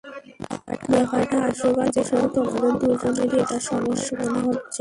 ব্যাপারটা হাস্যকর যে শুধু তোমাদের দুজনেরই এটা সমস্যা মনে হচ্ছে।